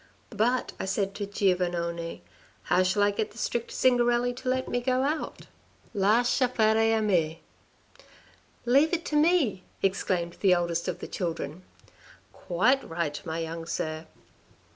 "' But,' I said to Giovannone, ' how shall I get the strict Zingarelli to let me go out ?'"' Lascia fare a me? "" Leave it to me," exclaimed the eldest of the children. " Quite right, my young sir.